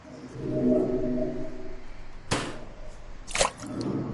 El gobierno de Estados Unidos aprueba un presupuesto federal cada año.